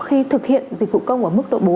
khi thực hiện dịch vụ công ở mức độ bốn